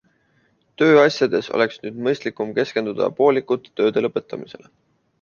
Tööasjades oleks nüüd mõistlik keskenduda poolikute tööde lõpetamisele.